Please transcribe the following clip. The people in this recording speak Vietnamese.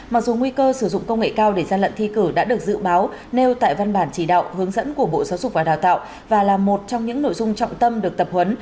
mặc dù nguy cơ sử dụng công nghệ cao để gian lận thi cử đã được dự báo nêu tại văn bản chỉ đạo hướng dẫn của bộ giáo dục và đào tạo và là một trong những nội dung trọng tâm được tập huấn